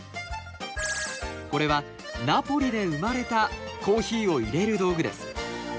これはナポリで生まれたコーヒーをいれる道具です。